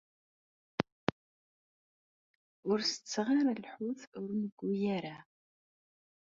Ur tetteɣ ara lḥut ur newwi ara.